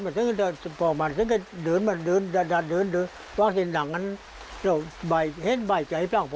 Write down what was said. แร่งจากไม่มีไม่มีนั้นซ้ายด้วยก็แร่ง